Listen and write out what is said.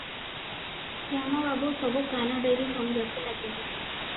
ଶ୍ୟାମ ବାବୁ ସବୁ କାନ ଡେରି ଶୁଣିବାକୁ ଲାଗିଲେ ।